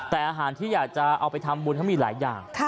แต่อาหารที่อยากจะเอาไปทำบุญเขามีหลายอย่าง